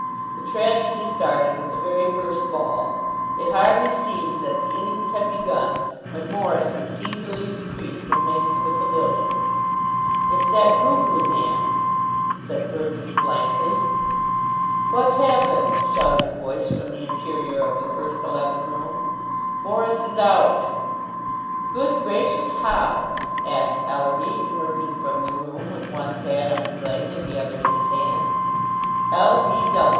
The tragedy started with the very first ball. It hardly seemed that the innings had begun, when Morris was seen to leave the crease, and make for the pavilion. "It's that googly man," said Burgess blankly. "What's happened?" shouted a voice from the interior of the first eleven room. "Morris is out." "Good gracious! How?" asked Ellerby, emerging from the room with one pad on his leg and the other in his hand. "L.